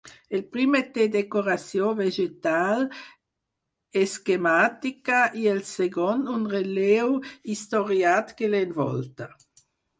El primer té decoració vegetal esquemàtica i el segon un relleu historiat que l'envolta.